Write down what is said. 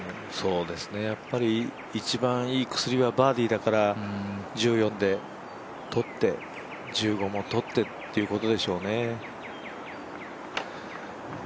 やっぱり一番いい薬はバーディーだから１４で取って、１５も取ってっていうことでしょうね。